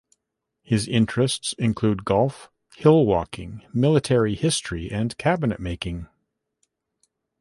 His interests include golf, hill walking, military history and cabinet making.